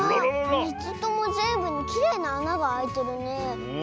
３つともぜんぶにきれいなあながあいてるね。